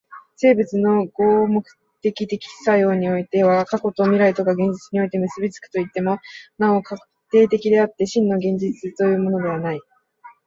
生物の合目的的作用においては過去と未来とが現在において結び付くといっても、なお過程的であって、真の現在というものはない。